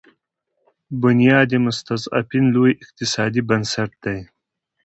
بنیاد مستضعفین لوی اقتصادي بنسټ دی.